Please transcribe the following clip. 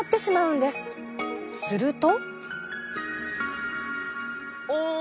すると。